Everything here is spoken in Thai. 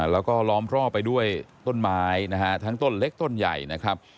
แล้วก็ล้อมรอบไปด้วยต้นไม้นะฮะทั้งต้นเล็กต้นใหญ่นะครับ